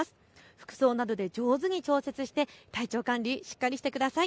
服装などで上手に調節して体調管理、しっかりしてください。